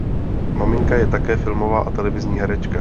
Maminka je také filmová a televizní herečka.